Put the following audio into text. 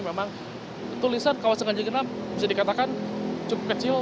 memang tulisan kawasan ganjigenap bisa dikatakan cukup kecil